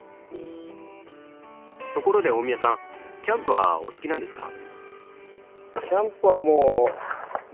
ところで大宮さんキャンプはお好きなんですか？